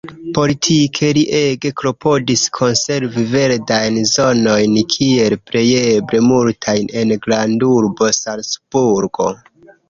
Politike li ege klopodis konservi verdajn zonojn kiel plejeble multajn en la grandurbo Salcburgo.